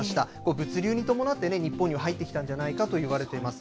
物流に伴ってね、日本に入ってきたんじゃないかといわれています。